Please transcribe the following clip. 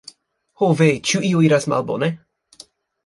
"ho ve, ĉu io iras malbone?"